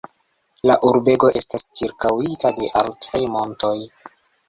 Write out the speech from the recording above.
La urbego estas ĉirkaŭita de altaj montoj.